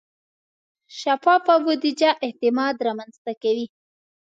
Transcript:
شفافه بودیجه اعتماد رامنځته کوي.